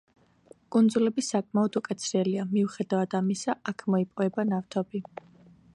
კუნძულები საკმაოდ უკაცრიელია, მიუხედავად ამისა აქ მოიპოვება ნავთობი.